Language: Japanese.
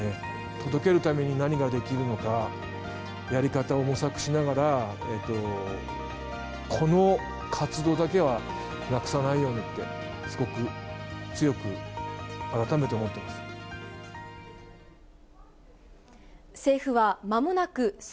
届けるために何ができるのか、やり方を模索しながら、この活動だけはなくさないようにって、すごく強く、改めて思ってます。